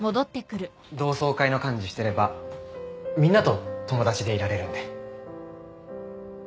同窓会の幹事してればみんなと友達でいられるんで。